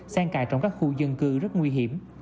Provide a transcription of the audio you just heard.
sang cài trong các khu dân cư rất nguy hiểm